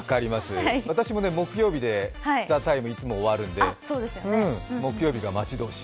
私も木曜日で「ＴＨＥＴＩＭＥ，」いつも終わるんで、木曜日が待ち遠しい。